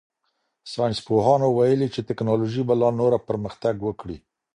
ساینس پوهانو ویلي چې تکنالوژي به لا نوره پرمختګ وکړي.